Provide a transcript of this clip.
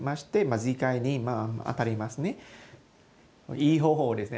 いい方法ですね。